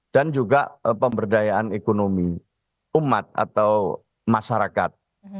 dan juga pemberdayaan ekonomi umat atau masyarakat